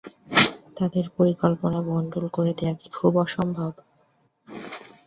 তাদের পরিকল্পনা ভণ্ডুল করে দেয়া কি খুব অসম্ভব?